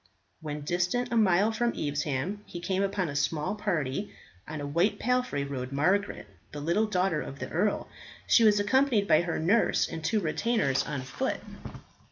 When distant a mile from Evesham, he came upon a small party. On a white palfrey rode Margaret, the little daughter of the earl. She was accompanied by her nurse and two retainers on foot.